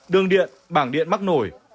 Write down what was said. đường điện bảng điện mắc nổi